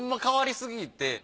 変わりすぎて。